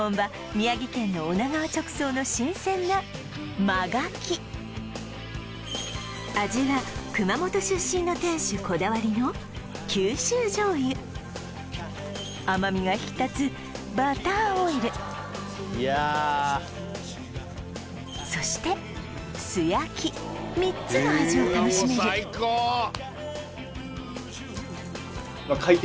宮城県の女川直送の新鮮な真牡蠣味は熊本出身の店主こだわりの九州醤油甘みが引き立つそして素焼き３つの味を楽しめる開店